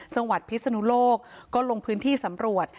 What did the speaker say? จังหวัดพิษฎุโลกก็ลงพื้นที่สำรวจ